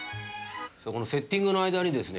このセッティングの間にですね